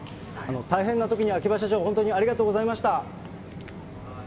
大変なときに秋葉社長、本当にありがとうございました。